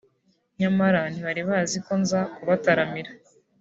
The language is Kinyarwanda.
nyamara ntibari bazi ko nza kubataramira